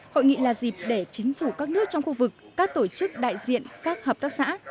hội nghị là dịp để chính phủ các nước trong khu vực các tổ chức đại diện các hợp tác xã